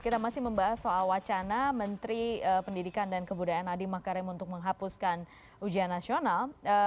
kita masih membahas soal wacana menteri pendidikan dan kebudayaan adi makarim untuk menghapuskan ujian nasional